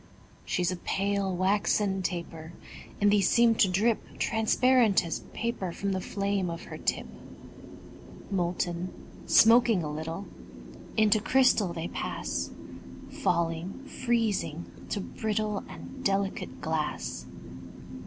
She's a pale, waxen taper; And these seem to drip Transparent as paper From the flame of her tip. Molten, smoking a little, Into crystal they pass; Falling, freezing, to brittle And delicate glass.